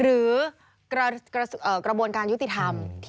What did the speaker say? หรือกระบวนการยุติธรรม